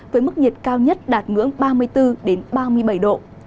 với mức nhiệt cao nhất đạt ngưỡng ba mươi bốn ba mươi bảy độ